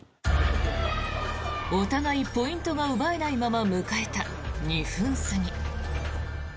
お互いポイントが奪えないまま迎えた２分過ぎ。